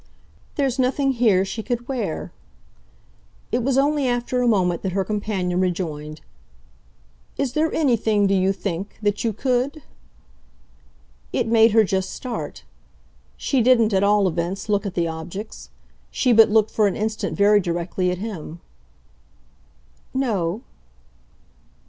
"There's nothing here she could wear." It was only after a moment that her companion rejoined. "Is there anything do you think that you could?" It made her just start. She didn't, at all events, look at the objects; she but looked for an instant very directly at him. "No."